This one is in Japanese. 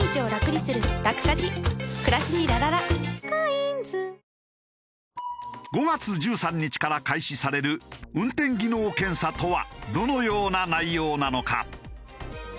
このあと５月１３日から開始される運転技能検査とはどのような内容なのか？